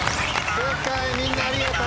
正解みんなありがとう！